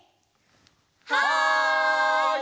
はい！